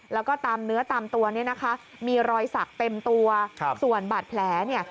แล้วก็ตามเนื้อตามตัวเนี่ยนะคะมีรอยสักเต็มตัวครับส่วนบาดแผลเนี่ย